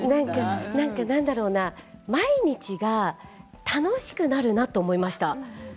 何だろうな、毎日が楽しくなるなと思いました。